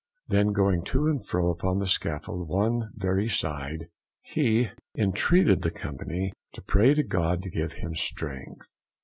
Then going to and fro upon the scaffold one very side, he intreated the company to pray to God to give him strength.